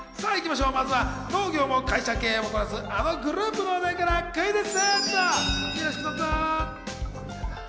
まずは農業も会社経営もこなすあのグループの話題からクイズッス。